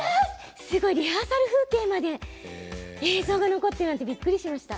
リハーサル風景まで映像が残っているなんてびっくりしちゃいました。